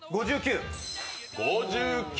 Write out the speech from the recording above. ５９。